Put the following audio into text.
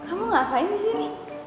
kamu ngapain disini